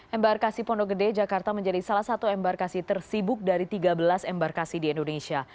embarkasi pondok gede jakarta menjadi salah satu embarkasi tersibuk dari tiga belas embarkasi di indonesia